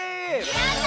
やった！